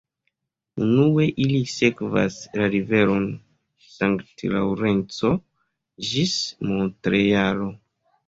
Unue ili sekvas la riveron Sankt-Laŭrenco ĝis Montrealo.